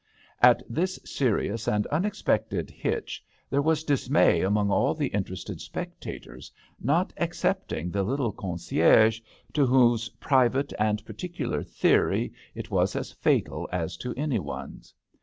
At this serious and unexpected hitch there was dismay among all the interested spectators, not excepting the little concierge, to whose private and particular theory it was as fatal as to any one's.